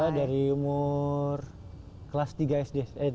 dari umur kelas tiga sd